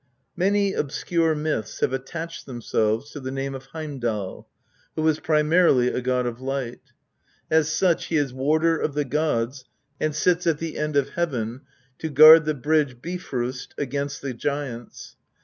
Many obscure myths have attached themselves to the name of Heimdal, who was primarily a god of light. As such " he is warder of the gods, and sits at the end of heaven to guard the bridge Bifrost against the giants."